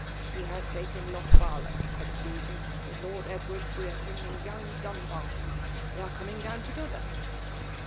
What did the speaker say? ' He has taken Lochvarlach for the season, with Lord Edward Brereton and yonng Dum« barton. They are coming down together."